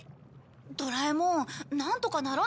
ドラえもんなんとかならないの？